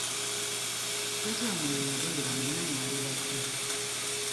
Taata wamwe we yagendera mwenna mwali bato.